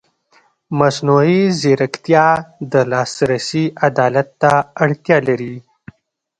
مصنوعي ځیرکتیا د لاسرسي عدالت ته اړتیا لري.